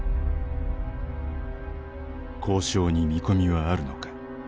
交渉に見込みはあるのか。